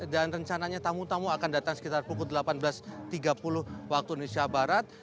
dan rencananya tamu tamu akan datang sekitar pukul delapan belas tiga puluh waktu indonesia barat